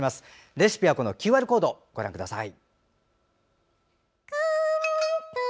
レシピは、ＱＲコードご覧ください。